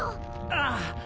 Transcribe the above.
ああ。